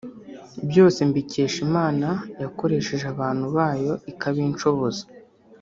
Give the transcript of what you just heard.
byose mbikesha Imana yakoresheje abantu bayo ikabinshoboza